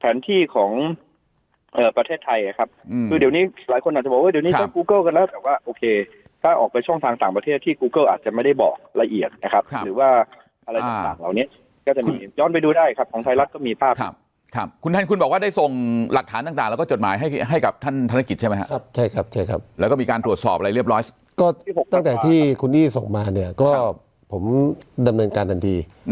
ฐานที่ของประเทศไทยครับคือเดี๋ยวนี้หลายคนอาจจะบอกว่าเดี๋ยวนี้ต้องกูเกิ้ลกันแล้วแบบว่าโอเคถ้าออกไปช่องทางต่างประเทศที่กูเกิ้ลอาจจะไม่ได้บอกละเอียดนะครับหรือว่าอะไรต่างเหล่านี้ก็จะย้อนไปดูได้ครับของไทยรัฐก็มีภาพคุณท่านคุณบอกว่าได้ส่งหลักฐานต่างแล้วก็จดหมายให้กับท่านธ